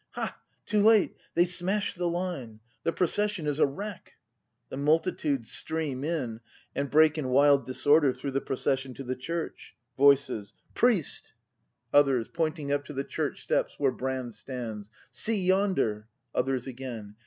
Ha, too late, they smash the line; The procession is a wreck! The multitude stream in, and break in wild disorder through the procession to the church. Voices. Priest ! 256 BRAND [act v Others. [Pointing up to the Church steps, wliere Brand stands.l See yonder! Others again.